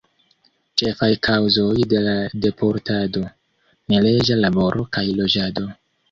Ĉefaj kaŭzoj de la deportado: neleĝa laboro kaj loĝado.